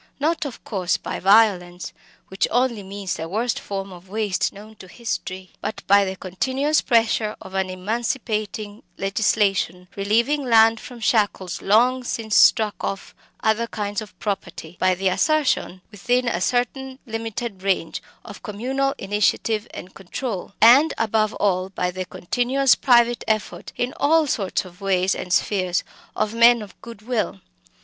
Not, of course, by violence which only means the worst form of waste known to history but by the continuous pressure of an emancipating legislation, relieving land from shackles long since struck off other kinds of property by the assertion, within a certain limited range, of communal initiative and control and above all by the continuous private effort in all sorts of ways and spheres of "men of good will."